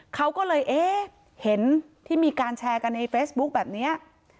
เขาก็เลยเอ๊ะเห็นที่มีการแชร์กันในเฟซบุ๊คแบบนี้